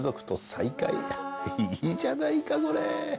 いいじゃないかこれ。